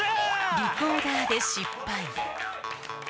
リコーダーで失敗